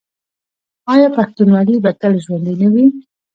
آیا پښتونولي به تل ژوندي نه وي؟